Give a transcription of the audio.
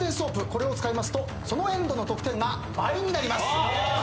これを使いますとそのエンドの得点が倍になります。